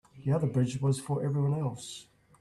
The other bridge was for everyone else.